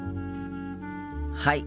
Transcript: はい。